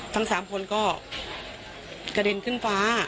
ทั้ง๓คนก็กระเด็นขึ้นฟ้า